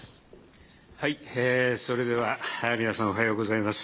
それでは皆さん、おはようございます。